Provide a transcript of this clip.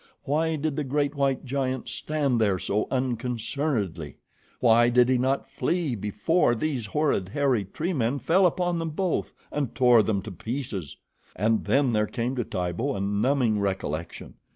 Why did the great white giant stand there so unconcernedly? Why did he not flee before these horrid, hairy, tree men fell upon them both and tore them to pieces? And then there came to Tibo a numbing recollection.